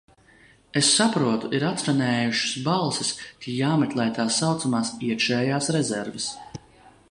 Es saprotu, ir atskanējušas balsis, ka jāmeklē tā saucamās iekšējās rezerves.